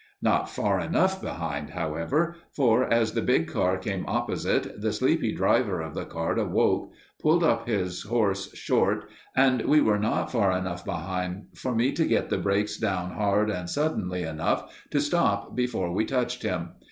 Not far enough behind, however, for as the big car came opposite, the sleepy driver of the cart awoke, pulled up his horse short, and we were not far enough behind for me to get the brakes down hard and suddenly enough to stop before we touched him.